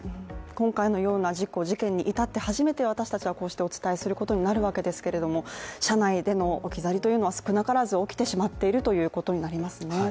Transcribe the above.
今回のような事故・事件に至って初めて私たちはこうしてお伝えすることになるわけですけども車内での置き去りというのは少なからず起きてしまっているということになりますね。